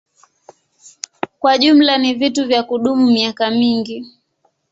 Kwa jumla ni vitu vya kudumu miaka mingi.